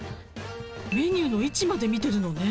メニューの位置まで見てるのね。